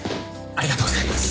ありがとうございます。